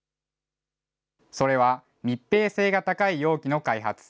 それは密閉性が高い容器の開発。